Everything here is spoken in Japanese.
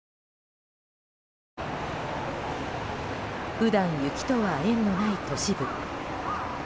普段、雪とは縁のない都市部。